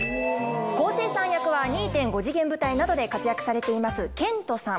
昴生さん役は２．５次元舞台などで活躍されています健人さん。